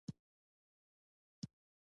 نوی لوی جومات ورجوړ کړ.